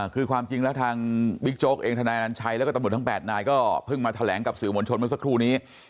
คือความจริงแล้วทางบิ๊กโจ๊กเองทนายอนัญชัยแล้วก็ตำรวจทั้ง๘นายก็เพิ่งมาแถลงกับสื่อมวลชนเมื่อสักครู่นี้